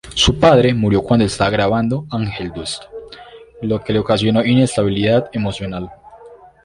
Su padre murió cuando estaba grabando Angel Dust, lo que le ocasionó inestabilidad emocional.